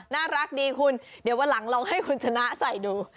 น่ารักดีคุณเดี๋ยววันหลังลองให้คุณชนะใส่ดู